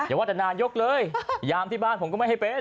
ว่าแต่นายกเลยยามที่บ้านผมก็ไม่ให้เป็น